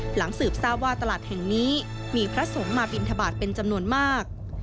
หลังสืบทราบว่าตลาดแห่งนี้มีพระสงฆ์มาบินทบาทเป็นจำนวนมาก